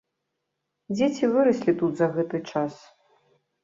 Дзеці выраслі тут за гэты час.